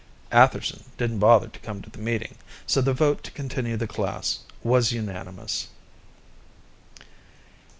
Atherson didn't bother to come to the meeting, so the vote to continue the class was unanimous.